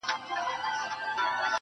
سړی خوښ دی چي په لوړ قېمت خرڅېږي,